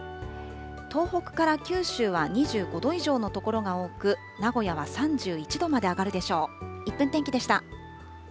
東北から九州は２５度以上の所が多く、名古屋は３１度まで上がるでしょう。